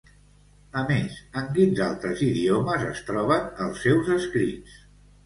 A més, en quins altres idiomes es troben els seus escrits?